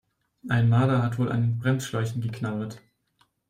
Ein Marder hat wohl an den Bremsschläuchen geknabbert.